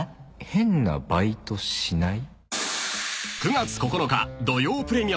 「変なバイトしない？」